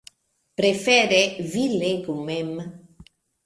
Prefere, vi legu mem.